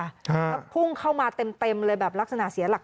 แล้วพุ่งเข้ามาเต็มเลยแบบลักษณะเสียหลัก